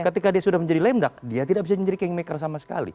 ketika dia sudah menjadi lemdak dia tidak bisa menjadi kingmaker sama sekali